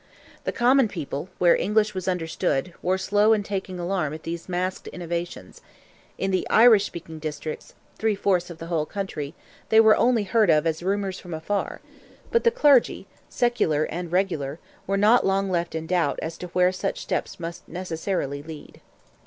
The common people, where English was understood, were slow in taking alarm at these masked innovations; in the Irish speaking districts—three fourths of the whole country—they were only heard of as rumours from afar, but the clergy, secular and regular, were not long left in doubt as to where such steps must necessarily lead.